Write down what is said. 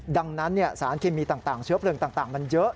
ดังนั้นสารเคมีต่างเชื้อเพลิงต่างมันเยอะ